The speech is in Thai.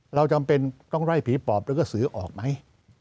จำเป็นต้องไล่ผีปอบแล้วก็สือออกไหม